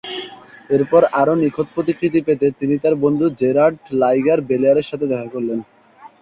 এরপর আরো নিখুঁত প্রতিকৃতি পেতে তিনি তার বন্ধু জেরার্ড লাইগার-বেলেয়ারের সাথে দেখা করলেন।